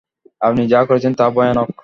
আপনি যা করেছেন তা ভয়ানক।